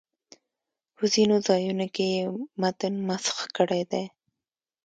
په ځینو ځایونو کې یې متن مسخ کړی دی.